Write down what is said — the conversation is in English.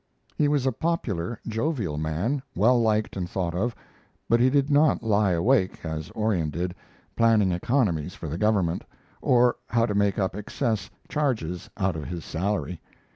He was a popular, jovial man, well liked and thought of, but he did not lie awake, as Orion did, planning economies for the government, or how to make up excess charges out of his salary.